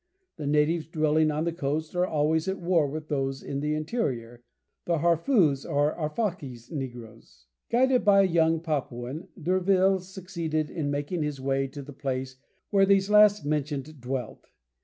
The natives dwelling on the coast are always at war with those in the interior, the Harfous or Arfakis negroes. Guided by a young Papuan, D'Urville succeeded in making his way to the place where these last mentioned dwelt.